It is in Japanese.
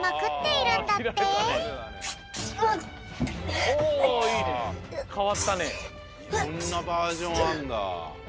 いろんなバージョンあるんだ。